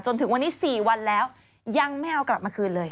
จนถึงวันนี้๔วันแล้วยังไม่เอากลับมาคืนเลย